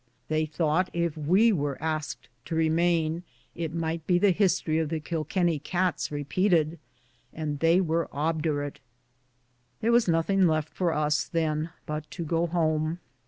They thought if we were asked to remain it might be the history of the Kilkenny cats repeated, and thej^ were obdurate. There was nothing left for us, then, but to go home.